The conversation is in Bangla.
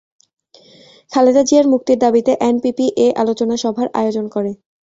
খালেদা জিয়ার মুক্তির দাবিতে এনপিপি এ আলোচনা সভার আয়োজন করে।